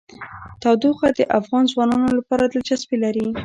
تودوخه د افغان ځوانانو لپاره دلچسپي لري.